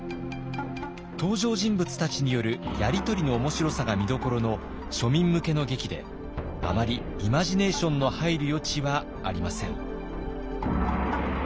登場人物たちによるやりとりの面白さが見どころの庶民向けの劇であまりイマジネーションの入る余地はありません。